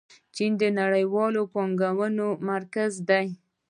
چین د نړیوالې پانګونې مرکز دی.